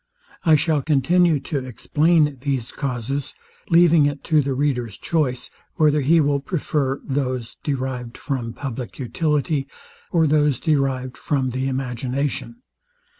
I shall continue to explain these causes, leaving it to the reader's choice, whether he will prefer those derived from publick utility, or those derived from the imagination.